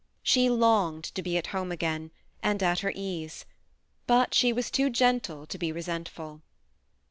She longed to be at home again, and at her ease ; but she was too gentle to be resentful.